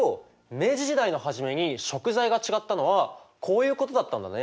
明治時代の初めに食材が違ったのはこういうことだったんだね。